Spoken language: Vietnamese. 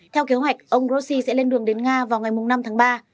theo kế hoạch ông grossi sẽ lên đường đến nga vào ngày năm tháng ba